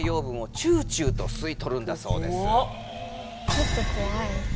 ちょっとこわい。